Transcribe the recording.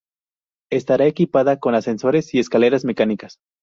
Estará equipada con ascensores y escaleras mecánicas.